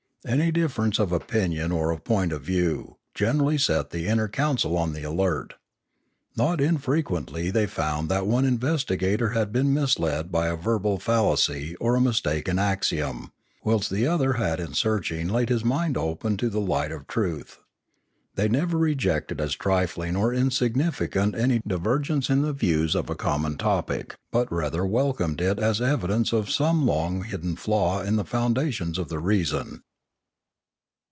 Any difference of opinion or of point of view generally set the inner council on the alert. Polity 5*9 Not infrequently they found that one investigator had been misled by a verbal fallacy or a mistaken axiom, whilst the other had in searching laid his mind open to the light of truth. They never rejected as trifling or insignificant any divergence in the views of a common topic, but rather welcomed it as evidence of some long hidden flaw in the foundations of their reason.